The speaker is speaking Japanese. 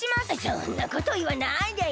そんなこといわないでよ。